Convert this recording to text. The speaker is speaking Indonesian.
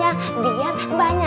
ya makannya bareng bareng